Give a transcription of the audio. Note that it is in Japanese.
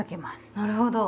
なるほど。